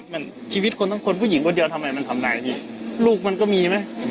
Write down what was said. มันก็ต้องเจอมันก่อนอะครับพี่